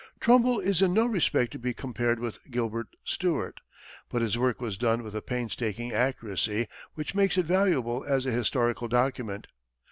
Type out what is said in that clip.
Trumbull is in no respect to be compared with Gilbert Stuart, but his work was done with a painstaking accuracy which makes it valuable as a historical document.